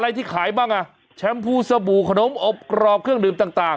ที่ขายบ้างอ่ะแชมพูสบู่ขนมอบกรอบเครื่องดื่มต่าง